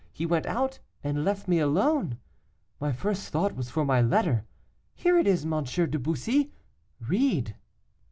He went out and left me alone. My first thought was for my letter. Here it is, M. de Bussy; read."